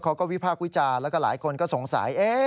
วิพากษ์วิจารณ์แล้วก็หลายคนก็สงสัย